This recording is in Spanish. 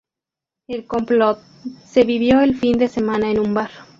El "complot" se vivió el fin de semana en un bar.